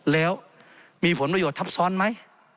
แล้วมีผลประโยชน์ทับซ้อนไหม